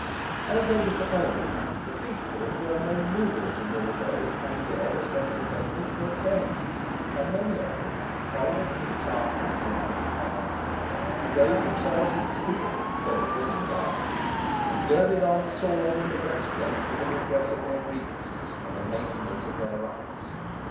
As may be supposed, the priesthood were main movers in a revolt having their especial benefit for its aim; and many of them, following the example of the Abbot of Barlings, clothed themselves in steel instead of woollen garments, and girded on the sword and the breastplate for the redress of their grievances and the maintenance of their rights.